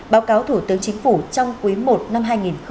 báo cáo thủ tướng chính phủ trong quý i năm hai nghìn một mươi bảy